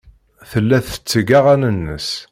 Tella tetteg aɣan-nnes.